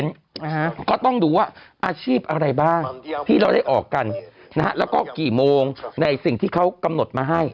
นะฮะก็ต้องดูว่าอาชีพอะไรบ้างที่เราได้ออกกันนะฮะแล้วก็กี่โมงในสิ่งที่เขากำหนดมาให้